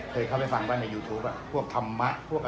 เคยเข้าไปฟังไหม